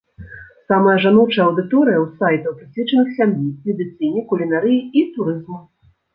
Самая жаночая аўдыторыя ў сайтаў, прысвечаных сям'і, медыцыне, кулінарыі і турызму.